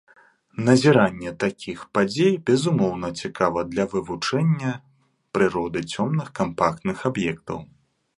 Назіранне такіх падзей безумоўна цікава для вывучэння прыроды цёмных кампактных аб'ектаў.